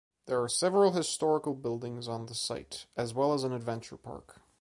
There are several historical buildings on the site, as well as an adventure park.